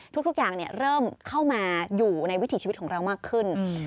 ทุกอย่างเริ่มเข้ามาอยู่ในวิถีชีวิตของเรามากขึ้น